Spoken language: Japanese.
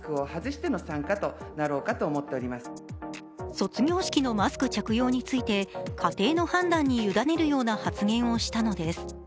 卒業式のマスク着用について家庭の判断に委ねるような発言をしたのです。